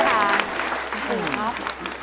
ขอบคุณครับ